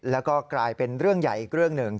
แล้วก็กลายเป็นเรื่องใหญ่อีกเรื่องหนึ่ง